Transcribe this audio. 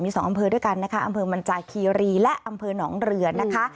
สองอำเภอด้วยกันนะคะอำเภอมันจาคีรีและอำเภอหนองเรือนนะคะ